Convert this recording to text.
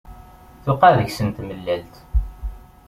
Tewqeɛ deg-sen tmellalt.